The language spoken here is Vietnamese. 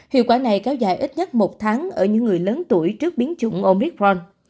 hiệu quả này kéo dài ít nhất một tháng ở những người lớn tuổi trước biến chủng omicron